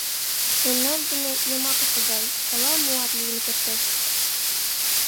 — Мемнан дене йомакысе гай, ала-моат лийын кертеш.